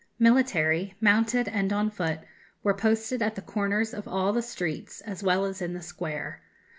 Military, mounted and on foot, were posted at the corners of all the streets, as well as in the square.